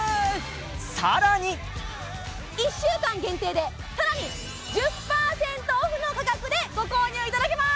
１週間限定でさらに１０％オフの価格でご購入いただけます！